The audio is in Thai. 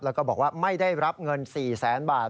แล้วก็บอกว่าไม่ได้รับเงิน๔แสนบาท